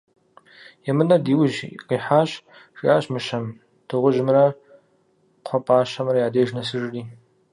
- Емынэр ди ужь къихьащ, - жиӏащ мыщэм, дыгъужьымрэ кхъуэпӏащэмрэ я деж нэсыжри.